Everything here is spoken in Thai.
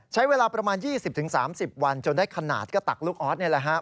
ใช้เวลาประมาณ๒๐๓๐วันจนได้ขนาดก็ตักลูกออสนี่แหละครับ